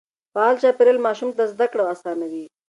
فعال چاپېريال ماشوم ته زده کړه آسانوي.